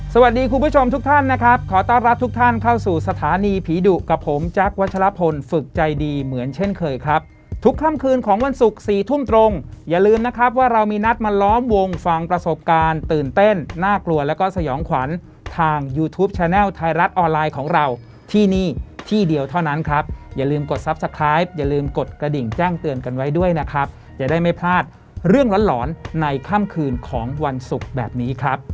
สวัสดีคุณผู้ชมทุกท่านนะครับขอต้อนรับทุกท่านเข้าสู่สถานีผีดุกับผมจั๊กวัชละพลฝึกใจดีเหมือนเช่นเคยครับทุกค่ำคืนของวันศุกร์๔ทุ่มตรงอย่าลืมนะครับว่าเรามีนัดมาล้อมวงฟังประสบการณ์ตื่นเต้นน่ากลัวแล้วก็สยองขวัญทางยูทูปแชนแนลไทยรัฐออนไลน์ของเราที่นี่ที่เดียวเท่านั้